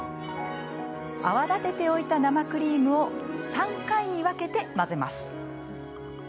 泡立ておいた生クリームを３回に分けて混ぜます。